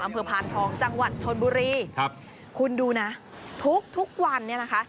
พานทองจังหวัดชนบุรีครับคุณดูนะทุกทุกวันเนี่ยนะคะ